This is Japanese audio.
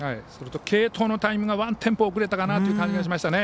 継投のタイミングがワンテンポ遅れたかなという感じがしました。